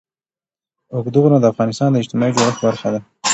اوږده غرونه د افغانستان د اجتماعي جوړښت برخه ده.